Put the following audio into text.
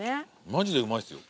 マジでうまいっすよ。